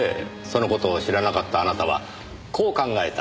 その事を知らなかったあなたはこう考えた。